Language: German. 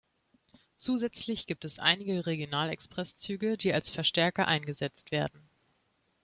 Zusätzlich gibt es einige Regional-Express-Züge, die als Verstärker eingesetzt werden.